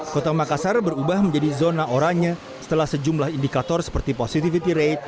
kota makassar berubah menjadi zona oranye setelah sejumlah indikator seperti positivity rate